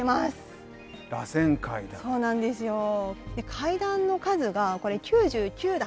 階段の数がこれ９９段。